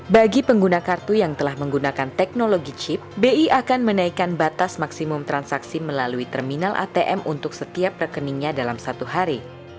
bagi pengguna kartu yang telah menggunakan teknologi chip bi akan menaikkan batas maksimum transaksi melalui terminal atm untuk setiap rekeningnya dalam satu hari